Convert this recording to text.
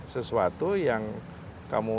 sesuatu yang kamu